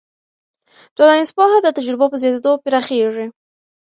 ټولنیز پوهه د تجربو په زیاتېدو پراخېږي.